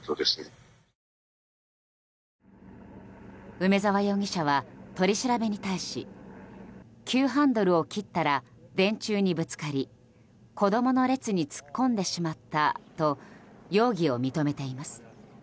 梅沢容疑者は取り調べに対し急ハンドルを切ったら電柱にぶつかり子供の列に突っ込んでしまったと容疑を認めています。